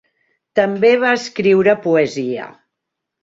També va escriure poesia.